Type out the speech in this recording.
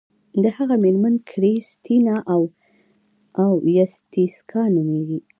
د هغه میرمن کریستینا اویتیسیکا نومیږي.